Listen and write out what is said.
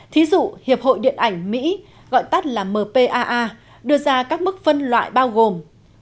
thí dụ hiệp hội điện ảnh mỹ gọi tắt là mpaa đưa ra các mức phân loại bao gồm